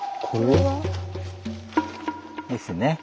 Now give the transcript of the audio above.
これは？ですね。